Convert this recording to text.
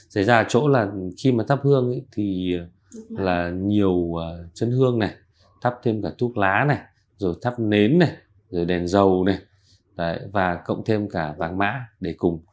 xảy ra ở chỗ là khi mà thắp hương thì là nhiều chân hương này thắp thêm cả thuốc lá này rồi thắp nến này rồi đèn dầu này và cộng thêm cả vàng mã để cùng